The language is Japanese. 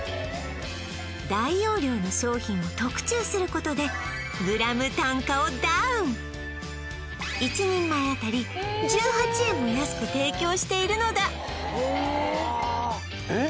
大容量の商品を特注することで１人前あたり１８円も安く提供しているのだえっ